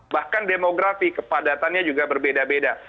bahkan demografi kepadatannya juga berbeda beda